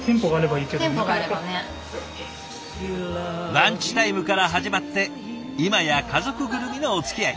ランチタイムから始まって今や家族ぐるみのおつきあい。